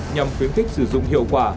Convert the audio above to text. nhằm khuyến khích sử dụng hiệu quả